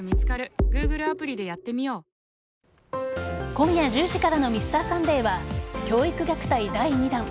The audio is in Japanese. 今夜１０時からの「Ｍｒ．サンデー」は教育虐待第２段。